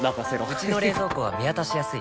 うちの冷蔵庫は見渡しやすい